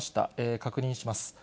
確認します。